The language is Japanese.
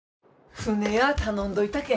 船や頼んどいたけん。